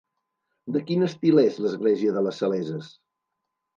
De quin estil és l'església de les Saleses?